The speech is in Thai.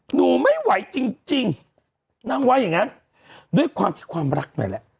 หนูไม่ไหวจริงนั่งไว้อย่างนั้นด้วยความรักนี่แหละ